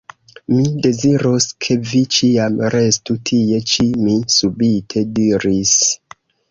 Mi dezirus, ke vi ĉiam restu tie ĉi, mi subite diris.